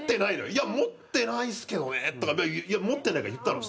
「いや持ってないですけどね」とかって持ってないから言ったの。